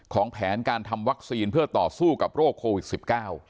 แผนการทำวัคซีนเพื่อต่อสู้กับโรคโควิดสิบเก้า